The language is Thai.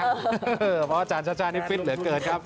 เพราะอาจารย์ชาตินี้ฟิตเหลือเกินครับ